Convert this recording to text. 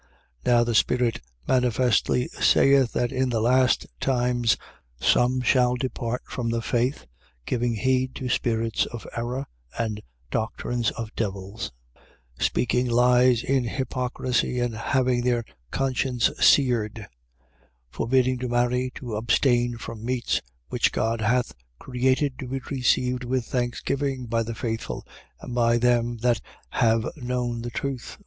4:1. Now the Spirit manifestly saith that in the last times some shall depart from the faith, giving heed to spirits of error and doctrines of devils, 4:2. Speaking lies in hypocrisy and having their conscience seared, 4:3. Forbidding to marry, to abstain from meats, which God hath created to be received with thanksgiving by the faithful and by them that have known the truth.